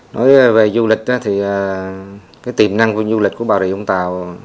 nói về du lịch thì cái tiềm năng du lịch của bà địa vũng tàu